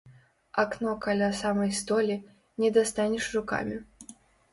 Акно каля самай столі, не дастанеш рукамі.